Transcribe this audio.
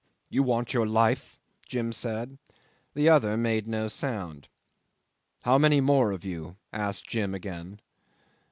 "You want your life?" Jim said. The other made no sound. "How many more of you?" asked Jim again.